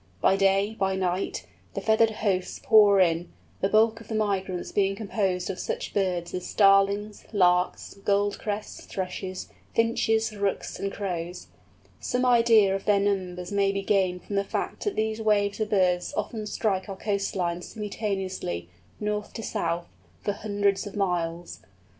By day, by night, the feathered hosts pour in; the bulk of the migrants being composed of such birds as Starlings, Larks, Goldcrests, Thrushes, Finches, Rooks, and Crows. Some idea of their numbers may be gained from the fact that these waves of birds often strike our coast line simultaneously, north to south, for hundreds of miles.